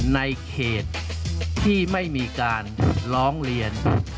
ในเขตที่ไม่มีการร้องเรียน